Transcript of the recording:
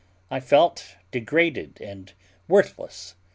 I felt degraded and worthless.